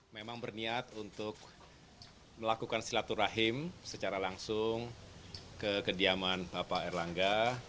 memang berniat untuk melakukan silaturahim secara langsung ke kediaman bapak erlangga